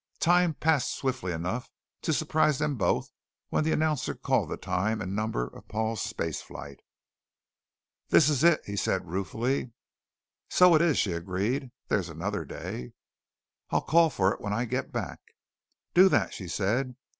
Time passed swiftly enough to surprise them both when the announcer called the time and number of Paul's spaceflight. "This is it," he said ruefully. "So it is," she agreed. "There's another day." "I'll call for it when I get back." "Do that," she said.